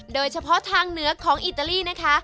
โดยเฉพาะทางเหนือของอิตาลีนะคะ